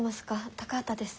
高畑です。